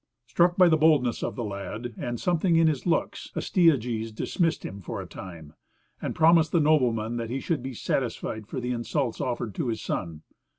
Struck by the boldness of the lad, and by something in his looks, Astyages dismissed him for a time, and promised the nobleman that he should be satisfied for the insults offered to his son.